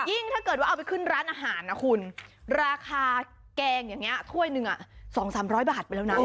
ถ้าเกิดว่าเอาไปขึ้นร้านอาหารนะคุณราคาแกงอย่างนี้ถ้วยหนึ่ง๒๓๐๐บาทไปแล้วนะ